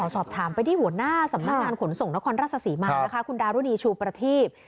เสมอสารขนส่งนครรัฐศักดิ์ศรีมากนะคะคุณดารุณีชูประธีบ